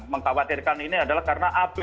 mengkhawatirkan ini adalah karena ap